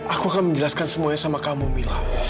aku akan menjelaskan semuanya sama kamu mila